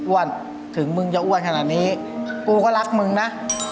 ว่าถึงมึงจะอ้วนขนาดนี้กูก็รักมึงนะ